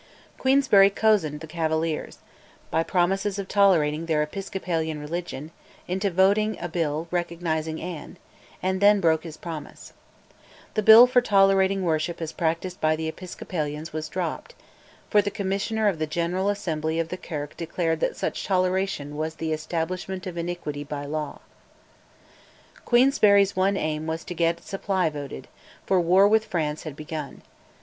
Queensberry cozened the Cavaliers by promises of tolerating their Episcopalian religion into voting a Bill recognising Anne, and then broke his promise. The Bill for tolerating worship as practised by the Episcopalians was dropped; for the Commissioner of the General Assembly of the Kirk declared that such toleration was "the establishment of iniquity by law." Queensberry's one aim was to get Supply voted, for war with France had begun.